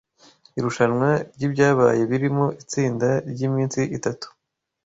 Irushanwa ry’ibyabaye birimo itsinda ryiminsi itatu